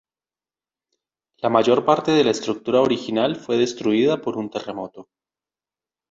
La mayor parte de la estructura original fue destruida por un terremoto.